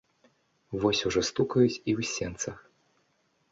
Вось ужо стукаюць і ў сенцах.